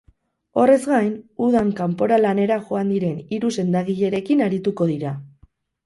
Horrez gain, udan kanpora lanera joan diren hiru sendagilerekin arituko dira.